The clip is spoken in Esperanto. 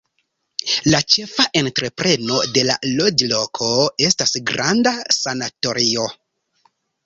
La ĉefa entrepreno de la loĝloko estas granda sanatorio.